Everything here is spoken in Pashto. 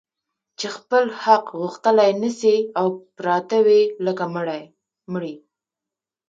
چي خپل حق غوښتلای نه سي او پراته وي لکه مړي